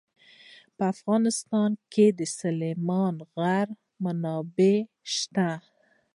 په افغانستان کې د سلیمان غر منابع شته.